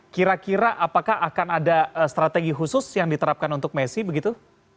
kira kira apakah akan ada strategi khusus yang diterapkan untuk messi begitu